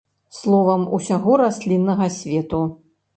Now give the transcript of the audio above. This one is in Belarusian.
Словам, усяго расліннага свету.